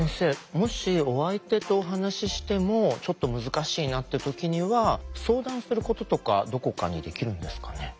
もしお相手とお話ししてもちょっと難しいなって時には相談することとかどこかにできるんですかね？